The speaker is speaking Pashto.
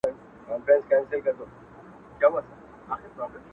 • پړانګ چي هر څه منډي وکړې لاندي باندي ,